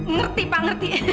ngerti pak ngerti